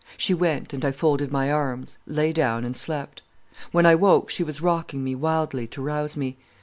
"She went, and I folded my arms, lay down and slept. "When I woke, she was rocking me wildly to rouse me.